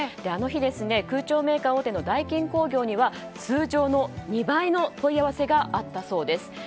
あの日、空調メーカー大手のダイキン工業には通常の２倍の問い合わせがあったそうです。